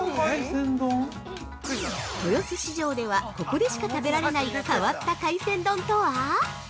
◆豊洲市場ではここでしか食べられない変わった海鮮丼とは？